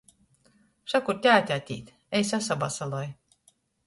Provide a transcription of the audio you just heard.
Šakur tēte atīt, ej, sasavasaloj!